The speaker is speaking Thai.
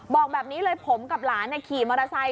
บอกแบบนี้เลยผมกับหลานขี่มอเตอร์ไซค